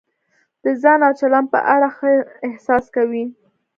د ځان او چلند په اړه ښه احساس کوئ.